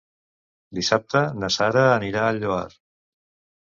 Dissabte na Sara anirà al Lloar.